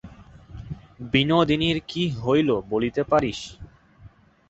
বিনোদিনীর কী হইল বলিতে পারিস?